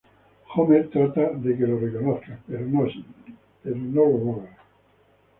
Homer trata de que lo reconozca, pero no lo logra.